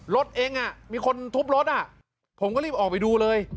รถเองมีคนทุบรถผมก็รีบออกไปดูเลย